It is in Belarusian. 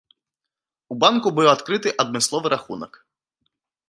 У банку быў адкрыты адмысловы рахунак.